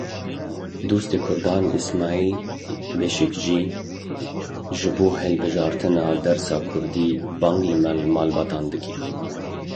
Dostê Kurdan Îsmaîl Beşîkçî ji bo hilbijartina dersa kurdî bang li malbatan dike.